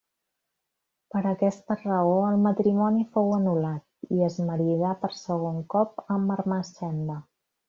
Per aquesta raó, el matrimoni fou anul·lat, i es maridà per segon cop amb Ermessenda.